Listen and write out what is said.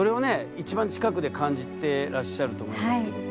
一番近くで感じてらっしゃると思いますけども。